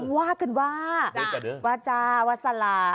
ว่ากันว่าวาจาวาสลา